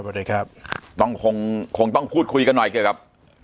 สวัสดีครับต้องคงคงต้องพูดคุยกันหน่อยเกี่ยวกับ